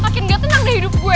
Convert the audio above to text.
makin gak tenang deh hidup gue